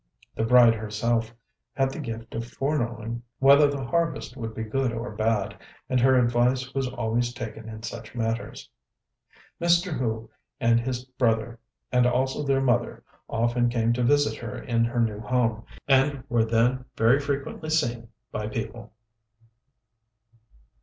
The bride herself had the gift of foreknowing whether the harvest would be good or bad, and her advice was always taken in such matters. Mr. Hu and his brother, and also their mother, often came to visit her in her new home, and were then very frequently seen by people.